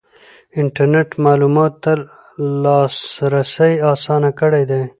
انټرنیټ معلوماتو ته لاسرسی اسانه کړی دی.